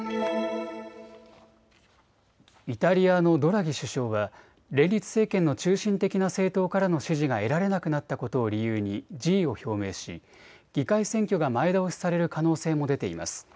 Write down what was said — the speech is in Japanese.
イタリアのドラギ首相は連立政権の中心的な政党からの支持が得られなくなったことを理由に辞意を表明し議会選挙が前倒しされる可能性も出ています。